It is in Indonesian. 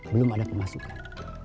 belum ada pemasukan